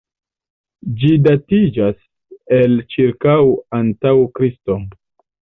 Ĝi datiĝas el ĉirkaŭ antaŭ Kristo.